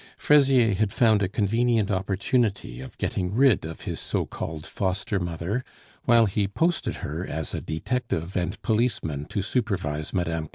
Fraisier had found a convenient opportunity of getting rid of his so called foster mother, while he posted her as a detective and policeman to supervise Mme.